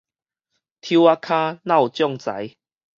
丑仔跤，那有將才